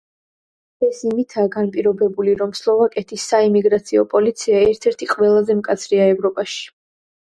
ეს იმითაა განპირობებული, რომ სლოვაკეთის საიმიგრაციო პოლიცია ერთ-ერთი ყველაზე მკაცრია ევროპაში.